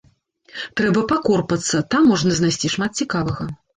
Трэба пакорпацца, там можна знайсці шмат цікавага.